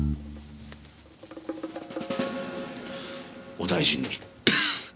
お大事に。